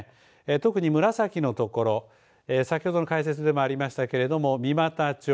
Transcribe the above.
特に、紫のところ先ほどの解説でもありましたけれども三股町